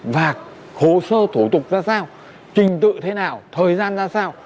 và hồ sơ thủ tục ra sao trình tự thế nào thời gian ra sao